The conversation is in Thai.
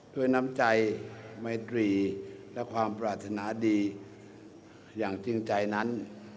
ด้วยน้ำใจไมตรีและความปรารถนาดีอย่างจริงใจนั้น